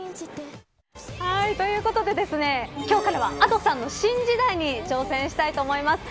ということで今日からはＡｄｏさんの新時代に挑戦したいと思います。